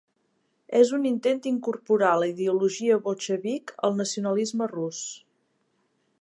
És un intent d'incorporar la ideologia bolxevic al nacionalisme rus.